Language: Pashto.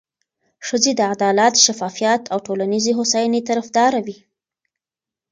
ښځې د عدالت، شفافیت او ټولنیزې هوساینې طرفداره وي.